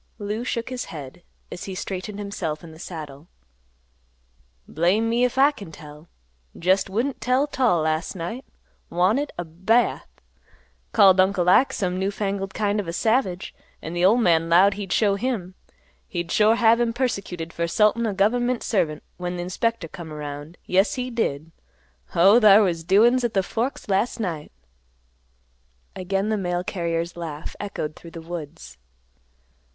Lou shook his head, as he straightened himself in the saddle. "Blame me 'f I kin tell. Jest wouldn't tell 't all last night. Wanted a bath. Called Uncle Ike some new fangled kind of a savage, an' th' old man 'lowed he'd show him. He'd sure have him persecuted fer 'sultin' a gov'ment servant when th' inspector come around. Yes he did. Oh, thar was doin's at the Forks last night!" Again the mail carrier's laugh echoed through the woods.